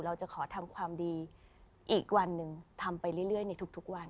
เราจะขอทำความดีอีกวันหนึ่งทำไปเรื่อยในทุกวัน